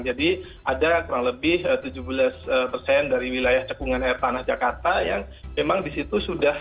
jadi ada kurang lebih tujuh belas persen dari wilayah cekungan air tanah jakarta yang memang di situ sudah